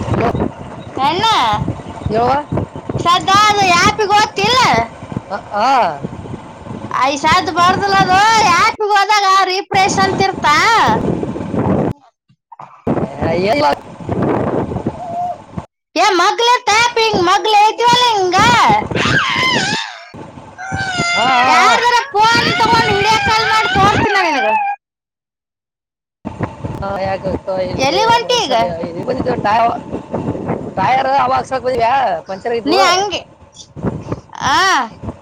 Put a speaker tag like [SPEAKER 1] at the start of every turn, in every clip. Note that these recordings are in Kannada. [SPEAKER 1] ಹ
[SPEAKER 2] ಎನ್ನ
[SPEAKER 1] ಯವ
[SPEAKER 2] ಸದಾ ಅ ಯಾಪಿಗೆ ಓತ್ತಿಲ್ಲ
[SPEAKER 1] ಹ ಹ
[SPEAKER 2] ಯಸ ಬರ್ದಿಲ್ಲ ಅದು ಹ್ಯಾಪಿಗ್ ಹೋದಾಗ ಆ ರಿಫ್ರೆಶ್ ಅಂತ ಇರ್ತ ಹ್ಮ
[SPEAKER 1] ಎಲ್ಲ
[SPEAKER 2] ಕೆ ಮ ಹಾ
[SPEAKER 1] ಹಾ
[SPEAKER 2] ಯಾರ ಫೋನ್ ತಗೊಂಡು ವಿಡಿಯೋ ಕಾಲ್ ಮಾಡಿ ತೋರಿಸ್ತನಾನ
[SPEAKER 1] ಹಾ ಯಾಗತ
[SPEAKER 2] ಎಲ್ಲಿಗ್
[SPEAKER 1] ಇಲ್ವ
[SPEAKER 2] ಹೊಂಟಿ
[SPEAKER 1] ವಯಸ
[SPEAKER 2] ಈಗ
[SPEAKER 1] ಟ ಟಾಯರ ಅವ ಬಂದಿದ್ದೆ
[SPEAKER 2] ನೀ ಹಗೆ ಹ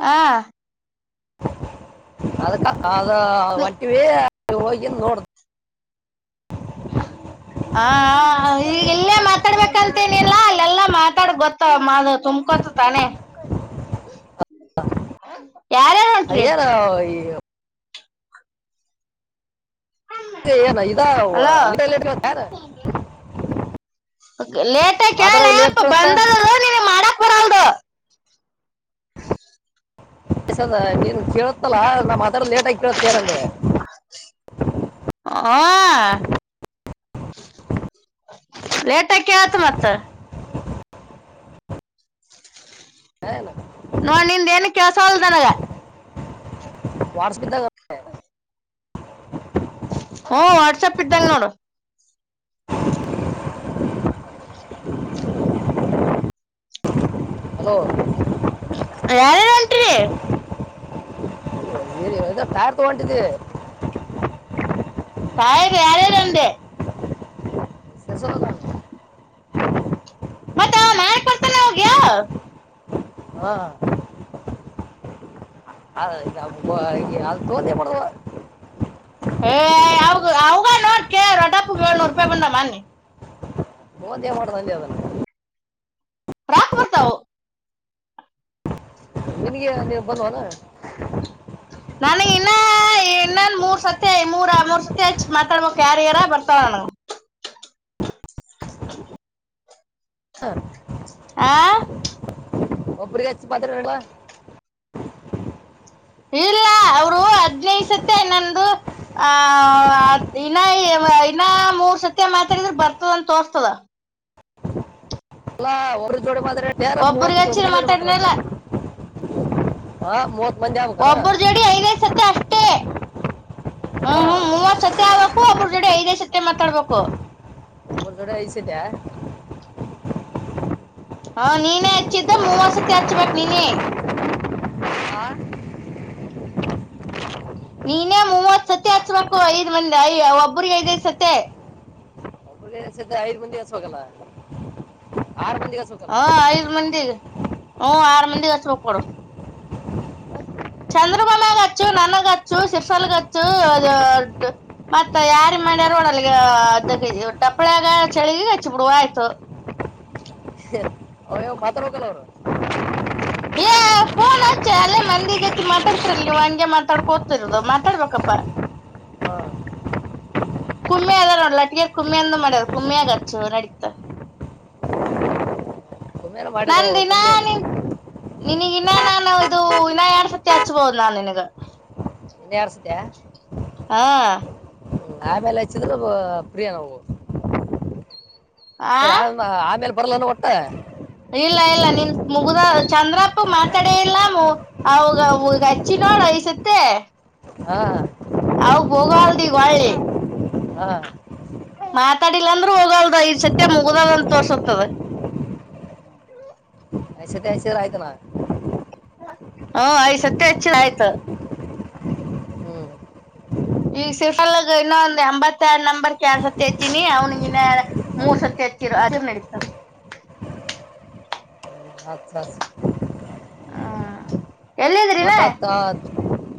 [SPEAKER 2] ಹ
[SPEAKER 1] ಅದಕ್ಕ ಅದ
[SPEAKER 2] ನೀ
[SPEAKER 1] ಒಟ್ಟಿವ ಹೋಗಿ ನೋಡತ
[SPEAKER 2] ಹ್ಮ್ ಹ್ಮ್ ಹ ಇಲ್ಲೇ ಮಾತಾಡ್ಬೇಕಂತನಿಲ್ಲಾ ಇಲ್ಲೆಲ್ಲಾ ಮಾತಾಡ ಗೊತ್ತ ಮಾ ತುಂಬಕೊತ ತನೆ
[SPEAKER 1] ಅದ ಯಾರ ಈ ಏನ ಇದ
[SPEAKER 2] ಅಲೋ
[SPEAKER 1] ಲಟ ಲಟ ಯಾರ
[SPEAKER 2] ಲೇಟ್ ಕೇಳಪ
[SPEAKER 1] ಕೇಳುತ್ತಾ
[SPEAKER 2] ಬಂದರು ನೀವ ಮಾಡಕ್ ಬರಲ್ದು
[SPEAKER 1] ದ ನೀನ್ ಕೇೇಳತ್ತಲ್ಲಾ ನಮ್ಮ್ ಅದಲ್ಲ ಲೇಟ್ ಆಗಿ ಕೇಳತೇಾರಂಗೆ
[SPEAKER 2] ಹ ಲೇಟ್ಕ ಆತು ಮತ್ತ
[SPEAKER 1] ಹಲ್ಲ
[SPEAKER 2] ನೋಡ್ ನಿಂದ ಏನ್ ಕೆಲಸ ಅಲ್ದನ
[SPEAKER 1] ವಾರಸಿದ್ದ
[SPEAKER 2] ಹ ಹ್ಮ್ ವಾಟ್ಸ್ಯಪ್ ಇದ್ದೆ ನೋಡು
[SPEAKER 1] ಹಲೋ
[SPEAKER 2] ರಳ ರಂಟ ರಿ
[SPEAKER 1] ಪ್ಯಾರ್ ತೊಗೊಂಡಿದ್ದಿ
[SPEAKER 2] ತಾಯ ಬಾರ ರಂಡೆ
[SPEAKER 1] ಶಸ
[SPEAKER 2] ಮತ್ತಾ ನಾಯಕ್ ಬರ್ತಾನೆ ಹೋಗ್ಯ
[SPEAKER 1] ಹಾ ಅ ಅ ತ
[SPEAKER 2] ಏ ಅವ ಅವಗ ನೋಡ್ಕ ರೊಡ್ಡಪ್ಪ ಏಳ್ನೂರು ರೂಪಾಯಿ ಬಂದ ಮನ್ನಿ
[SPEAKER 1] ನಂದೇ ಮಾಡ ಸಂಂದೆ ಅದನ್ನು
[SPEAKER 2] ಪ್ರಾಕ್ ವರ್ತಾವ
[SPEAKER 1] ನಿಮಗೆ ನೀವು ಬಂದ್ವಲ್ಲ
[SPEAKER 2] ನನಗ್ ಇನ್ನ ಇನ್ನನ್ ಮೂರ್ ಸತಿ ಮೂರ ಮೂರ್ ಸತಿ ಹೆಚ್ಚ ಮಾತಾಡಬೋ ಕ್ಯಾರಿಯರ ಬರ್ತಾವ ನನ
[SPEAKER 1] ಹ
[SPEAKER 2] ಆಾಂ
[SPEAKER 1] ಒಬ್ರಿಗೆಚ್ಚ ಪತ್ರುವ
[SPEAKER 2] ಇಲ್ಲ ಅವರು ಹದ್ನೈಯಸತ್ತೆ ನಂದು್ದ ಆ ಅದ್ ಇನ್ನ ಇನ್ನ ಮೂರ್ ಸತಿ ಮಾತ್ರಿದ್ರ ಬರ್ತದ ತೋರ್ತದ
[SPEAKER 1] ಅಲ್ಲಾ ಒರ್ ಜೋಡೆ ಮಾತ್ರ್ರೆ ಡೇರ
[SPEAKER 2] ಒಬ್ರಿಗೆ
[SPEAKER 1] ಮೂವತ್ತ ಒ
[SPEAKER 2] ಹಚ್ಚಿರ
[SPEAKER 1] ಜೋಡಿ ಮಾತ್ರ
[SPEAKER 2] ಮಾತಾಡಿನಲ್ಲ
[SPEAKER 1] ಹತಾರೆ ಹಾ ಮ
[SPEAKER 2] ಒಬ್ಬರು ಜಡಿ ಐದೈ್ ಸತಿ ಅಷ್ಟೇ ಹ್ಮ್
[SPEAKER 1] ಹಾ
[SPEAKER 2] ಹ್ಮ ಮೂವತ್ ಸತಿ ಆ ಹ ಒ ಅವಬ್ರ ಜೊಡೆ ಐದೇ ಜೊತೆ ಮಾತಾಡ್ಬೇಕು
[SPEAKER 1] ತೊಂದರಿಸಿದೆ
[SPEAKER 2] ಹಾ ನೀನೇ ಹಚ್ಚಿದ್ದ ಮೂವ ಸತಿ ಹಚ್ಬೇಕಕ್ ನೀನೇ
[SPEAKER 1] ಹಾ
[SPEAKER 2] ನೀನೇ ಮೂವತ್ ಸತಿ ಹಚ್ಬೇಕು ಐದ್ ಮಂದಿಯ ಒಬ್ಬ್ರಿಗೆ ಐದೈದ್ ಸತಿ
[SPEAKER 1] ಸ ಐದ್ ಮಂದಿಸ ಹೋಗಲ್ಲ ಆರು ಮಂದಿಗಸ ಹ
[SPEAKER 2] ಹಾ ಐದು್ ಮಂದಿ ಹ್ಮ ಆರು ಮಂದಿ ಹಚ್ಬೇಕ ಕೊಡು ಚಂದ್ರ ಬೊಮ್ಮಗಚ್ಚು ನನ್ನಗಚ್ಚು ಸಿರ್ಸಾಲ್ ಚ್ಚು ಮತ್ತ ಯಾರಿ ಮಾಡ್ಯಾರೋಡ ಅಲ್ಲಿ ಅದ ಟಪ್ಪಳಾಗ ಚಳಿಗ ಹಚ್ಚಿ ಬಿಡುವ ಆಯ್ತು
[SPEAKER 1] ಹ ಭಾತ್ರ ಹೋಗಲ್ಲ ಅವರು
[SPEAKER 2] ಹ ನನ್ಾಚೆ ಅಲ್ಲೇ ಮಂದಿ ಜೊತೆ ಮಾತಾಡ್ತಿರಲ್ ನೀವು ಹಂಗೆ ಮಾತಾಡ್ಕೋತಿರೋದು ಮಾತಾಡ್ಬೇಕಪ್ಪಾ
[SPEAKER 1] ಹಾ
[SPEAKER 2] ಕುಮ್ಮಿ ಅದ ನೋಡ್ ಲಟಗರ್ ಕುಮ್ಮಿ ಅಂದ ಮಾಡದ ಕುಮ್ಮಿಾಗಗ ಹಚ್ಚು ನಡೀತ
[SPEAKER 1] ಕುಮ್ಮೆನ
[SPEAKER 2] ನನ್
[SPEAKER 1] ಮಾಡಿದವು
[SPEAKER 2] ದಿನಾ
[SPEAKER 1] ಕುಮ್ಮೆ
[SPEAKER 2] ನಿನ್ ನಿನಗ ಇನ್ನ ನಾನು ಇದು ಇನ್ನ ಎರಡ್ ಸತಿ ಹಚ್ಬಹದು್ ನಾನ್ ನಿಿನಗ
[SPEAKER 1] ಇನ್ರ್ಸ್ದ
[SPEAKER 2] ಹಾ
[SPEAKER 1] ಆಮೇಲೆ ಹಚ್ಚಿದ್ರೆ ಪ್ರಿಯ ನಾವು
[SPEAKER 2] ಆ
[SPEAKER 1] ಆಮೇಲೆ ಬರಲ್ಲಾನ ಒಟ್ಟ
[SPEAKER 2] ಇಲ್ಲ ಇಲ್ಲ ನಿನ್ ಮುಗ್ದ ಚಂದ್ರಪ್ಪ ಮಾತಾಡ ಇಲ್ಲ ಹ ಹೌದು ಅಚ್ಚಿ ನೋಡ ಈ ಸತ್ತೆ
[SPEAKER 1] ಹಾ
[SPEAKER 2] ಅವ ಹೋಗಲ್ದಿಗ ಒಳ್ಳೆ
[SPEAKER 1] ಹಾ
[SPEAKER 2] ಮಾತಾಡಿಲ್ಲ ಅಂದ್ರೂ ಹೋಗಲ್ದ ಈ ಸತ್ಯ ಮುಗುದಲ್ಂತ ತೋರ್ಸತದ
[SPEAKER 1] ಎ ಸಸ ಆ್ತನ
[SPEAKER 2] ಹ ಆಯ್ ಸತ್ಯ ಹೆಚ್ಚ ಆಯ್ತ
[SPEAKER 1] ಹ್ಞೂ
[SPEAKER 2] ಈಗ ಸಿಫಲ್ಗ ಇನ್ನೊ ಒಂದ್ ಎಂಬತ್ತರಡ್ ನಂಬರ್ ಕಸತಿ ಹತೀನಿ ಅವ್ನಿಗೆ ಇ ಮೂರ್ ಸತಿ ಹಚ್ಚಿರ ಅ ನಡತರ್
[SPEAKER 1] ಅ [unintelligible]
[SPEAKER 2] ಹಾ
[SPEAKER 1] ಒಟ್ತ್ ಆತ್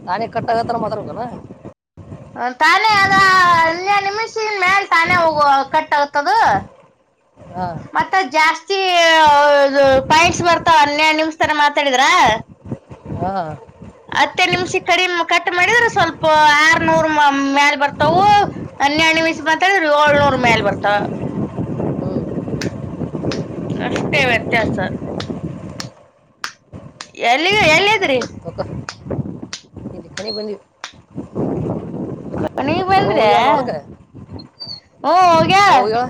[SPEAKER 1] ನಾನಿ ಕಟ್ಟಾಗತ್ತಾರ ಮಾತ್ರಕಣ
[SPEAKER 2] ತಾನೇ ಅದ ಹೆಡು ನಿಮಿಷನ್ ಮೇಲೆ ತಾನೇ ಹೋಗುವ ಕಟ್ ಆಗ್ತದ
[SPEAKER 1] ಹಾಂ
[SPEAKER 2] ಮತ್ತೆ ಮ ಜಾಸ್ತಿ ಪಾಯಿಂಟ್ಸ್ ಬರ್ತಾವ ಹನ್ನಡು ನಿಮ್ ತರ ಮಾತಾಡಿದ್ರಾ
[SPEAKER 1] ಹಾ
[SPEAKER 2] ಹತ್ತೇ ನಿಮ್ಷ ಕಡಿಮ ಕಟ್ ಮಾಡಿದ್ರ ಸ್ವಲ್ಪ ಆರ್ನೂರ್ ಮ್ಯಾಲ ಬರ್ತವು ಹನ್ನಯ ಹಣ್ಣ ಮೀಸ ಮಾತಾಿದ್ರಿ ಏಳ್ನೂರ್ ಮೇಲ್ ಬರ್ತಾ
[SPEAKER 1] ಹ್ಞೂ
[SPEAKER 2] ಅಷ್ಟೇ ವ್ಯತ್ಯಾಸ ಎಲ್ಲಿಗ ಎಲ್ಲದಿರಿ
[SPEAKER 1] ಮನೆಗೆ ಬಂದರಿ
[SPEAKER 2] ನೀವ್
[SPEAKER 1] ಅವ
[SPEAKER 2] ಬಂದ್ರ
[SPEAKER 1] ಹೋಗ್ಯಾನ ಹೊಲಕ್ಕೆ
[SPEAKER 2] ಹ್ಮ ಹೋಗ
[SPEAKER 1] ಅವ ಹೋಗ್ಯಾಳ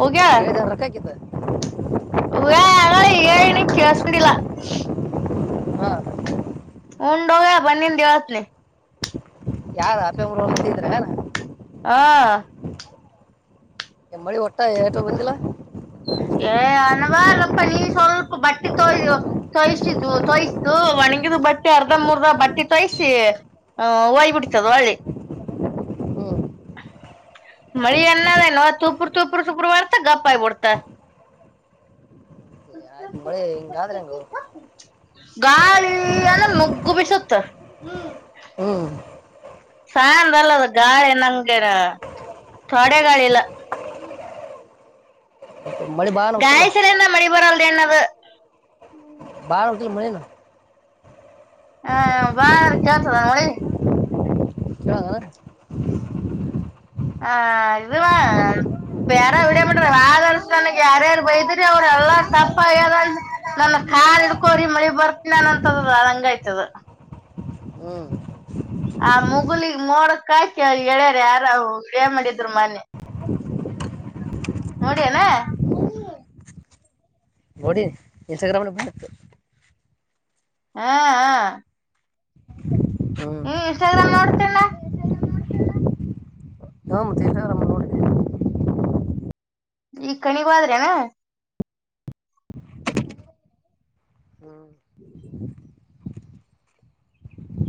[SPEAKER 2] ಹೊಗೆಲೇ
[SPEAKER 1] ಹೇಳಿದ ರೊಕ್ಕ ಹಾಕಿದ್ದ
[SPEAKER 2] ಅ ಏನ ಸಸಕೊಂಡಿಲ್ಲ
[SPEAKER 1] ಹಾಂ
[SPEAKER 2] ಉಂಡ್ಯ ಬನ್ನಿನ ದೇವಸ್ನ
[SPEAKER 1] ಯಾರ ಅಪ್ಪೆರುಗಿದ್ರ ಏನ್
[SPEAKER 2] ಹಾ
[SPEAKER 1] ಎಮ್ಮಳಿ ಒಟ್ಟ ಟ ಬಂದಿಲ್ಲ
[SPEAKER 2] ಏ ಅನವಪ್ಪ ನೀನ್ ಸವಲ್ಪು ಬಟ್ಟಿ ತೋಯ್ದವು ತೊಯಸಿದು ತೋಯ್ತು ಒಣಗಿದ ಬಟ್ಟೆ ಅರ್ಧ ಮೂರ್ದ ಬಟ್ಟೆ ತೋಯ್ಸಿ ಹ ಹಯ್ ಬಿಡತದ ಒಳ್ಳೆ
[SPEAKER 1] ಹ್ಞೂ
[SPEAKER 2] ಮಳಿ ಅನ್ನದ ನವ ತೂಪುರು ತೂಪುರು ತೂಪರು ಮಾಡ್ತ ಗಪ್ಪಾಯಬ ಬಿಡ್ತಾ
[SPEAKER 1] ಆಯ್ತುಳಿ
[SPEAKER 2] ಗಾಲ ಮಗ್ಗು ಬಿ ಸತ್ಮ
[SPEAKER 1] ಹಾ
[SPEAKER 2] ಸಂದ ಅಲ್ಲದ ಗಾಳಿ ನಂಗಗೆ ತೊಡೆ ಗಾಳಿ ಇಲ್ಲ
[SPEAKER 1] ಮಳೆ ಬಹಳ
[SPEAKER 2] ಗಾಯಸರುಣ ಮಳೆ ಬರಾಲ್ದೇಣ್ಣ್
[SPEAKER 1] ಬಾರಕ ಮಳೆನಾ
[SPEAKER 2] ಹ ಬಾರ್ ಕೇಳ್ತದ ನೋ ಮನೆಗೆ
[SPEAKER 1] [unintelligible]
[SPEAKER 2] ಹ ಇದುವಾ ಬ್ಯಾರ ವಿಡಿಯೋ ಮಾಡಟ್ರ ವಾದು ವರ್ಷ ನನಗ ಯಾರ ಯಾರ ಬೈಯ್ದುರಿ ಅವರು ಎಲ್ಲಾ ತಪ್ಪಾದ ನನ್ನಖಾಲ್ ಇಡ್ಕೋರಿ ಮಳಿಗ್ ಬರ್ತೀನಿ ಅನ ಅಂತದ ಅ ಹಂಗ ಐಯ್ತದ
[SPEAKER 1] ಹ್ಮ್
[SPEAKER 2] ಆ ಮುಗುಲಿಗ್ ಮೋಡಕ ಹೇಳ್ಯಾರ ಯಾರ ವಿಡಿಯೋ ಮಾಡಿದ್ರು ಮೊನೆ ನೋಡಿ ಅಣ
[SPEAKER 1] ನೋಡಿನ್ ಇನ್ಸ್ಟಾಗ್ರಾಮದ ಬ
[SPEAKER 2] ಹಾ ಹ
[SPEAKER 1] ಹ್ಞೂ
[SPEAKER 2] ನೀ ಇನ್ಸ್ಟಾಗ್ರಾಮ್ ನೋಡ್
[SPEAKER 1] ಹ್ಮ್ [unintelligible] ನ್ ನೋಡ್.
[SPEAKER 2] ಈಗ ಕಣಿವಾದ್ರನ್.
[SPEAKER 1] ಹ್ಞೂ
[SPEAKER 2] ಹ [unintelligible]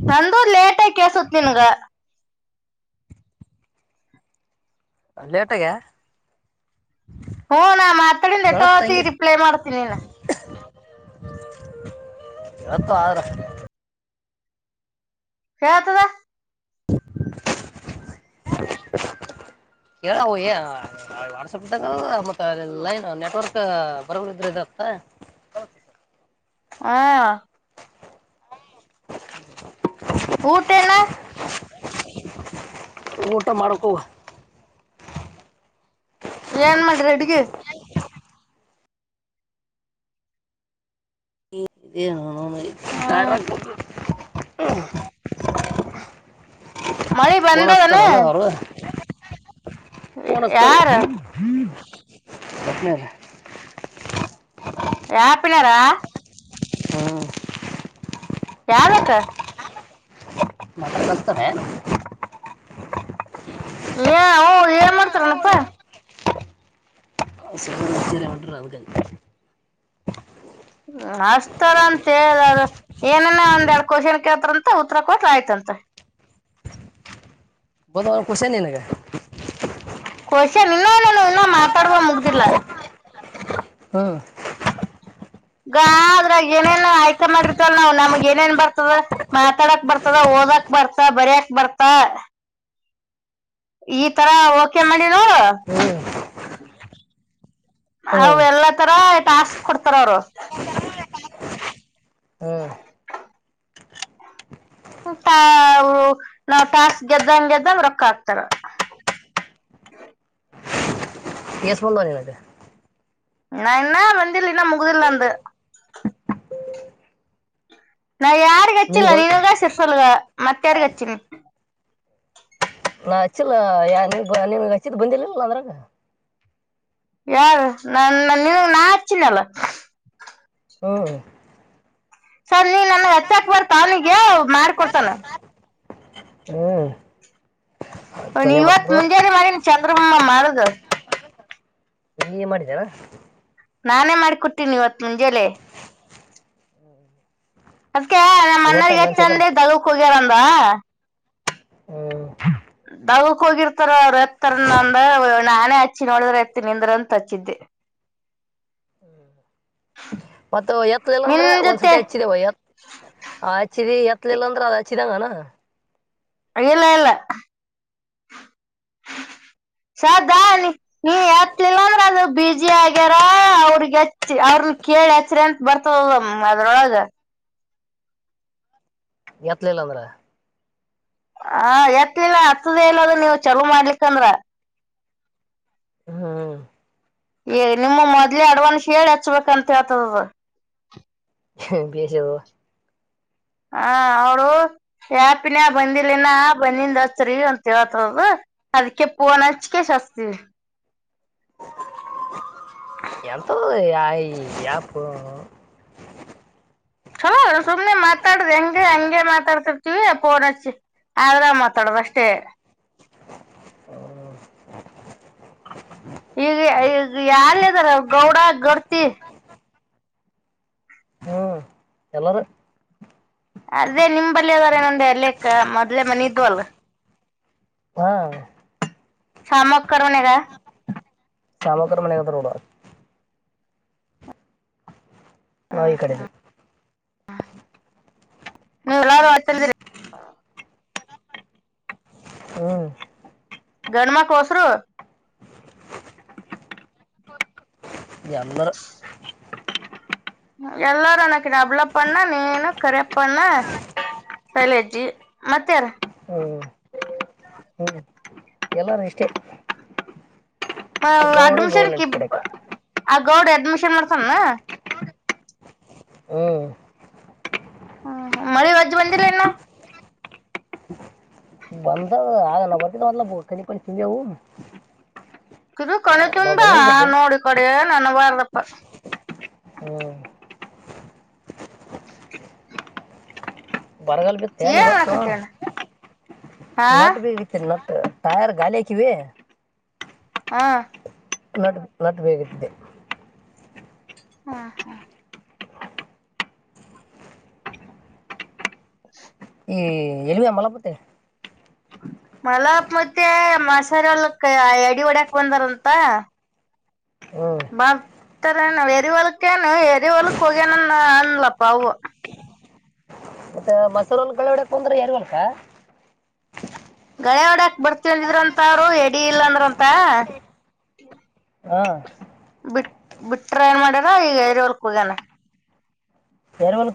[SPEAKER 2] ನಂದು ಲೇಟಗಿ ಕೇಳಿಸಿತ್ ನಿನಗ.
[SPEAKER 1] ಹ್ ಲೇಟಾಗೆ
[SPEAKER 2] ಹ್ಮ್ ನಾ ಮಾತಡಿಂದ
[SPEAKER 1] ಕೇಳತ್ತೆ
[SPEAKER 2] ಎಟೋತಿಗಿ
[SPEAKER 1] ಹಂಗೆ
[SPEAKER 2] ರಿಪ್ಲೈ ಮಾಡ್ತಿ ನಿನ್.
[SPEAKER 1] [inaudible] [unintelligible]
[SPEAKER 2] ಕೇಳ್ ತದ.
[SPEAKER 1] ಹೇಳ ವೋ ಹೆ. ವಾಟ್ಸಾಪ್ ದಾಗ ಮತ್ತ ಲೈನ್ ನೆಟ್ವರ್ಕ್ ಬರಲ್ ಇದ್ರ ಇದ್ದತಾ.
[SPEAKER 2] ಹಾಯಾ ಊಟೆನ
[SPEAKER 1] ಊಟ ಮಾಡ್ಕೋವಾ.
[SPEAKER 2] ಏನ್ ಮಾಡ್ ರಿ ಅಡಗಿ
[SPEAKER 1] ಇದೇ
[SPEAKER 2] ಹ್ಮ
[SPEAKER 1] ತಾರ [unintelligible]
[SPEAKER 2] ಮಳಿ
[SPEAKER 1] ಪೋನ್ ಹಚ್ಚುತ್ತಾರನ
[SPEAKER 2] ಬಂದದನ
[SPEAKER 1] ಅವರು ಫೋನ್ ಹಚ್ತಾರು
[SPEAKER 2] ಯಾರ
[SPEAKER 1] ಸತ್ತಮ್ಯಾಗ
[SPEAKER 2] ಯ ಪಿಳಾರಾ [unintelligible]
[SPEAKER 1] ಹಾ....
[SPEAKER 2] [unintelligible]
[SPEAKER 1] ಮಟನ್ ತರುಸ್ತನ್ ಎನ್
[SPEAKER 2] ಏ ಹು ಏನ್ ಮಾಡ್ತಾರಣಪ್ಪಾ?
[SPEAKER 1] [inaudible] [unintelligible]
[SPEAKER 2] ಅಷ್ಟಾರ ಅಂತ ಹೇಳ್ರ ಏನನ್ ಒಂದೆರಡು ಕೋಶನ್ ಕೇಳತಾರಂತ ಉತ್ತರ ಕೊಟ್ ಆಯ್ತಂರಿ
[SPEAKER 1] ಬೊದಖುಷನ್ ನಿನಗ
[SPEAKER 2] ಕೊಶವನ್ ಇನ್ನ ನು ಇನ್ನ ಮಾತಾಡುವ ಮುಗ್ದಿಲ್ಲಾ
[SPEAKER 1] ಹಾ
[SPEAKER 2] ಗ ಆದ್ರಾಗ ಏನೇನ್ ಆಯ್ಕಾ ಮಾಡಿರ್ತಲ್ ನಾವ್ ನಮಗ ಏನೇನ್ ಬರ್ತದ ಮಾತಾಡಕ್ ಬರ್ತದ ಓದಕ್ ಬರ್ತ ಬರಕ್ ಬರ್ತ ಈ ತರ ಓಕೆ ಮಾಡಿ ನೋ
[SPEAKER 1] ಹ್ಮ್
[SPEAKER 2] ಅವ್
[SPEAKER 1] ಹ್ಮ್
[SPEAKER 2] ಎಲ್ಲ ತರಾ ಟಾಸ್ಕ್ ಕೊಡ್ತಾರ ಅವರು
[SPEAKER 1] ಹ್ಮ
[SPEAKER 2] ಟಾಸ್ಕ್ ಗೆದ್ದಂಗ ಗೆದ್ದಂಗ ರೊಕ್ಕ ಆಗ್ತಾರ
[SPEAKER 1] ಎಸ್ ಬಂದೆ
[SPEAKER 2] ನಾ ಇನ್ನ ವಂದಿಲ್ಲನ ಮುಗುದರ್ಿಲ್ಲಾ ಅಂದ ನಾ ಯಾರಿಗ್ಚ್ಚಿಲ್ಲ
[SPEAKER 1] ನಿನ್ಗ
[SPEAKER 2] ನೀನ್ಗ ಸರ್ಸಲ್ಗ ಮತ್ತ ಯಾರ್ಿಗೆ ಹಚ್ಚೀಿನಿ
[SPEAKER 1] ನಾ ಹಚ್ಚಿಲ್ಲ ಯ ನಿಮ್ಗೆ ಹಚ್ಚಿದ್ ಬಂದಿಿಲ್ಲಿಲ್ಲ ಅಂದ್ರಾಗ
[SPEAKER 2] ಯಾರು ನ ನೀವ ನಾ ಹಚ್ಚಿನಲ್ಲ
[SPEAKER 1] ಹಾ
[SPEAKER 2] ಸರ್ ನೀ ನನ್ನ ಹೆಚ್ಚಾಕ್ ಬರ್ತಾನಿಗೆ ಮಾಡ್ಕ ಕೊಡ್ತಾನ
[SPEAKER 1] ಹ್ಮ್ ತೊಂದೆ
[SPEAKER 2] ಇವತ್
[SPEAKER 1] ಮಾಡ್ತಿದ್ರು
[SPEAKER 2] ಮುಂಜಾನೆ ಮಾಡನ್ ಚಂದ್ರಮೊಮ್ಮ ಮಾಡುದು
[SPEAKER 1] ಹಗೆ ಮಾಡಿದಾರ
[SPEAKER 2] ನಾನೇ ಮಾಡ್ಕೊಟ್ಟತೀನಿ ಇವತ್ ಮುಂಜೇಲೆೇ ಅದ್ಕ ನಮ್ಮ್ ಅನರ್ಗ
[SPEAKER 1] ಗೊತ್ತಲ್ಲ ಅನ್ಸದ
[SPEAKER 2] ಹಚ್ಚಂದ ದಲಕ್ ಹೋಗ್ಯಾರಂದ
[SPEAKER 1] ಹ್ಮ್
[SPEAKER 2] ದವಕ್ ಹೋಗಿರ್ತಾರ ಅವ್ರು ಎತ್ತರಂದ ನಾನೇ ಹಚ್ಚಿ ನೋಡಿದ್ರೆ ಎತ್ತ ನಿಂದ್ರಂತ ಹಚ್ಚಿದ್ದೆ [inaudible]
[SPEAKER 1] ಮತ್ತ ಎತ್ಲ ಇಿಲ್ಲ
[SPEAKER 2] ನಿನ್
[SPEAKER 1] ಅಂದ್ರೆ
[SPEAKER 2] ಜೊತೆ
[SPEAKER 1] ಒಂದ್ಸತಿ ಹೆಚ್ಚಿದೇವ ಎತ್ ಆ ಅಚ್ಚಿರಿ ಎತ್ಲಿಲ್ಲ ಅಂದ್ರೆ ಅದು ಅಚ್ಚಿಿದಂಗನಾ
[SPEAKER 2] ಅಲ್ಲ ಶದ ನೀ ನೀ ಎತ್ತಲಿಲ್ಲ ಅಂದ್ರ ಅದು ಬಿಜಿ ಆಗ್ಯಾರ ಅವ್ರಗ್ಚ್ಚಿ ಅವ್ರನ್ ಕೇಳಿ ಹೆಚ್ಚ್ರಿ ಅಂತ ಬರ್ತದ ಅದ್ರೊಳಗೆ
[SPEAKER 1] ಎತ್ಲ ಇಿಲ್ಲ ಅಂದ್ರ
[SPEAKER 2] ಹ ಎತ್ಲಿಲ್ಲ ಹತ್ತದೇ ಇಲ್ಲದ ನೀವ್ ಚಲೋ ಮಾಡ್ಲಿಕ್ಕಂದ್ರ
[SPEAKER 1] ಹಾ
[SPEAKER 2] ಏ ನಿಮ್ಮ ಮೊದ್ಲೇ ಅಡ್ವಾನ್ಸ್ ಹೇಳಿ ಹಚ್ಬೇಕಂತ ಹೇತದದ
[SPEAKER 1] ಹ ಬಷದು
[SPEAKER 2] ಹ ಅವಳ ಯ್ಯಾಪಿನಾ ಬಂದಿಲಿನ ಬಂದಿಂದ ಹಸರಿ ಅಂತ ಹೇಳ್ತದು ಅದಕ್ಕೆ ಪೂ ನ ಹಚ್ಿಕೆ ಶಸ್ತವಿ
[SPEAKER 1] ಯಂತ ಆಯ ಯ ಕೂ
[SPEAKER 2] ಚಲ ಸೊಮನೆ ಮಾ ಮಾತಾಡುದ ಹೆಂಗೆ ಹಂಗೆ ಮಾತಾಡ್ತಿರ್ತೀವಿ ಪೋನ್ ಹಚ್ಚಿ ಆದ್ರ ಮಾತಾಡುದು ಅಷ್ಟೇ
[SPEAKER 1] ಹ್ಮ
[SPEAKER 2] ಈಗ ಈಗ ಯಾರ್ ಇದದಾರ ಗೌಡ ಗರ್ತಿ
[SPEAKER 1] ಎಲ್ಲಾರ
[SPEAKER 2] ಅದೇ ನಿಮ್ ಬಲ್ಲಿಿ ಅದಾರೆ ನಂದೆ ಅಲ್ಲಕ್ಕ ಮೊದ್ಲೆ ಮನ ಇದ್ ಅಲ್
[SPEAKER 1] ಹಾ
[SPEAKER 2] ಶಾಮಕ್ಕಣಗ
[SPEAKER 1] ಶಾಮಕರ ಮನೆತ್ರೋಡ
[SPEAKER 2] ಹಾ
[SPEAKER 1] ನಾವ್ ಈ
[SPEAKER 2] ಹಾ
[SPEAKER 1] ಕಡೆದಿ
[SPEAKER 2] ಹ ನೀ ಎಲ್ಲತ
[SPEAKER 1] ಹ್ಮ್
[SPEAKER 2] ಗಣಮ ಕಸರು
[SPEAKER 1] ನ್ನ
[SPEAKER 2] ಎಲ್ಲಾರು ನಕ್ಕೆ ಡಬಲ ಪಣ್ಣ ನೀನು ಕರೆ್ಣ್ಣ ಸಲಜ್ಜಿ ಮತ್ತ ಯಾರ
[SPEAKER 1] ಹ್ಮ ಎಲ್ಲರೂ ಇಷ್ಟೇ ಗೌಡ
[SPEAKER 2] ಅಡ್ಮಿಷನ್
[SPEAKER 1] ಗೌಡ್
[SPEAKER 2] ಕ
[SPEAKER 1] ನಡ್ತ ಕಡೆಕ
[SPEAKER 2] ಇಬ ಆ ಗೌಡ್ ಅಡ್ಮಿಷನ್ ಮಾಡ್ತಾನ
[SPEAKER 1] ಹ್ಮ
[SPEAKER 2] ಹ್ಮ ಮಳಿ ರಜ್ಜ ಬಂದಿಲ್ಲ ಇನ್ನು
[SPEAKER 1] ಬಂದ ಆಗ ಹ ತ ಮ ಬೋಲ್ಖ ಪ ತಿಗೆವು
[SPEAKER 2] ಇ ಕಳ
[SPEAKER 1] ನ ಬನ್ನಿತ
[SPEAKER 2] ನೋಡ ಕೊಡ ನನ ಬಾರ್ದಪ್ಪ
[SPEAKER 1] ಹ್ಮ
[SPEAKER 2] ಹ
[SPEAKER 1] ಬಾರಗಲ್
[SPEAKER 2] ಏನ ಕಥೆ ಹೇಳು
[SPEAKER 1] ನಟ್ ಬಿ ನಟ್ ಟಾಯರ್ ಗಾಾಲಿ ಕಿವ
[SPEAKER 2] ಹಾ
[SPEAKER 1] ನಟ್ ನಟ್ ಬೇಗಿದೆ
[SPEAKER 2] ಹಾ ಹಾ ಹ
[SPEAKER 1] ಈ ಎಲ್ವಿಯ ಮಲಪತ್ತೆ
[SPEAKER 2] ಮಲಪ್ ಮತ್ತೆ ಮಸಾರ ಒಳಕ್ ಅಡಿ ಒಡಕ್ ಬಂದಾರಂತ
[SPEAKER 1] ಹ್ಞೂ
[SPEAKER 2] ಬರ್ತಾರೆ ನಾವ್ ಎರಿ ಹೊಲಕ್ಕೇನು ಎರಿ ಹೊಲಕ್ ಹೋಗೇನನ್ ಅನ್ಲಪ್ಪ ಅವು
[SPEAKER 1] ಮಸೂರಲ್ಗಳಡಕ್ ಅಂದ್ರ ಯಾರವಲ್ಕ
[SPEAKER 2] ಗಳ ಹೊಡಕ್ ಬರ್ತತಿಂದಿದ್ರಂತ ಅವ್ರು ಎಡಿ ಇಲ್ಲ ಅಂದ್ರ ಅಂತ
[SPEAKER 1] ಹಾ
[SPEAKER 2] ಬಿಟ್ಟ ಬಿಟ್ಟಟ್ರ ಏನ್ ಮಾಡ್ಯಾರ ಈಗ ರಿವರ್ಕ್ ಹೋಗ್ಯನ
[SPEAKER 1] ಯೇರವಳಕ